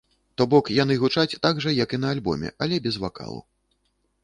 То бок, яны гучаць так жа, як і на альбоме, але без вакалу.